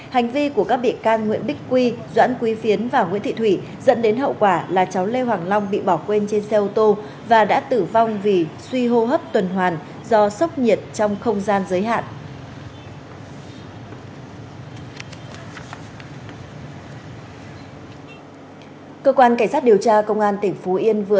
hành vi của các bị can nguyễn bích quy doãn quý phiến và nguyễn thị thủy dẫn đến hậu quả là cháu lê hoàng long bị bỏ quên trên xe ô tô và đã tử vong vì suy hô hấp tuần hoàn do sốc nhiệt trong không gian giới hạn